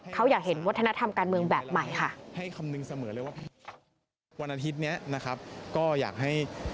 เขาอยากเห็นวัฒนธรรมการเมืองแบบใหม่ค่ะ